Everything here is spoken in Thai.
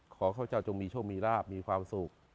ขอข้าพเจ้าจงมีช่วงมีราบมีความสุข